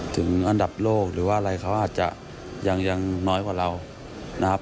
ถึงอันดับโลกหรือว่าอะไรเขาอาจจะยังน้อยกว่าเรานะครับ